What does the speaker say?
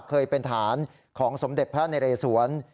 เคยเป็นฐานของสมเด็จพระนเรศวร